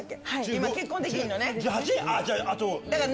今結婚できるの。